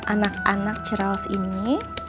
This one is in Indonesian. anak anak ciraus ini